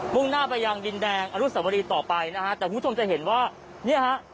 ่งหน้าไปยังดินแดงอนุสวรีต่อไปนะฮะแต่คุณผู้ชมจะเห็นว่าเนี่ยฮะ